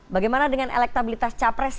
bagaimana dengan elektabilitas capres